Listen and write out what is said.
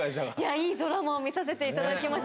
いいドラマを見させていただきました。